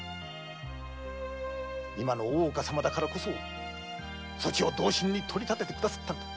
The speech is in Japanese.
今の大岡様だからこそそちを同心に取り立てて下さったのだ。